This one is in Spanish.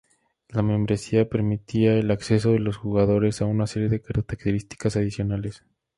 La membresía permitía el acceso de los jugadores a una serie de características adicionales.